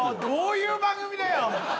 どういう番組だよ！？